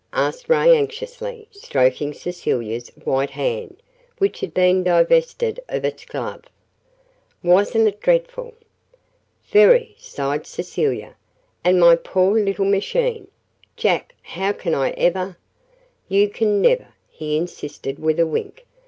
asked Ray anxiously, stroking Cecilia's white hand, which had been divested of its glove. "Wasn't it dreadful?" "Very," sighed Cecilia. "And my poor little machine! Jack, how can I ever " "You can never," he insisted with a wink.